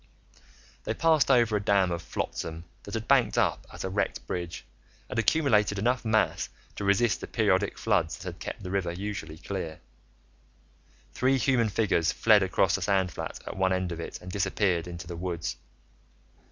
They passed over a dam of flotsam that had banked up at a wrecked bridge and accumulated enough mass to resist the periodic floods that had kept the river usually clear. Three human figures fled across a sand flat at one end of it and disappeared into the woods.